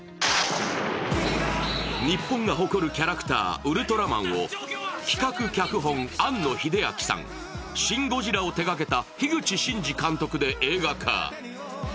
日本が誇るキャラクター、ウルトラマンを企画・脚本、庵野秀明さん、「シン・ゴジラ」を手がけた樋口真嗣監督で映画化。